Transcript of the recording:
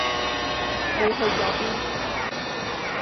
你去左邊？